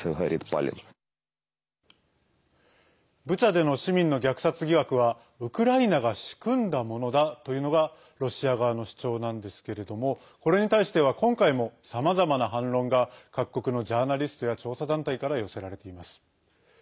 ブチャでの市民の虐殺疑惑はウクライナが仕組んだものだというのがロシア側の主張なんですけれどもこれに対しては今回もさまざまな反論が各国のジャーナリストや調査団体から寄せられています。